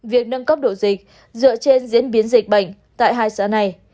việc nâng cấp độ dịch dựa trên diễn biến dịch bệnh tại hai xã này